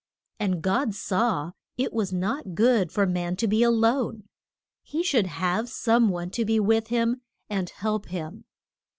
And God saw it was not good for man to be a lone; he should have some one to be with him and help him.